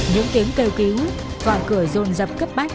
những tiếng kêu cứu và cửa rôn rập cấp mách